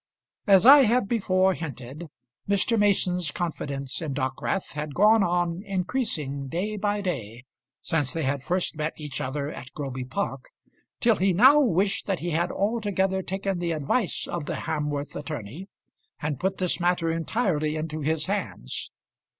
As I have before hinted, Mr. Mason's confidence in Dockwrath had gone on increasing day by day since they had first met each other at Groby Park, till he now wished that he had altogether taken the advice of the Hamworth attorney and put this matter entirely into his hands.